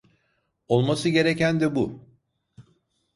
Olması gereken de bu.